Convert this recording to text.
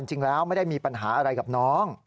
จริงแล้วไม่ได้มีปัญหาอะไรกับน้อง